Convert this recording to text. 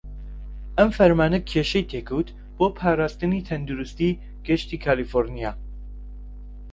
ئەم فەرمانە کێشەی تێکەوت بۆ پاراستنی تەندروستی گشتی کالیفۆڕنیا.